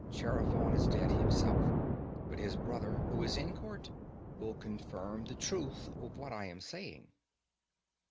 Chaerephon is dead himself; but his brother, who is in court, will confirm the truth of what I am saying.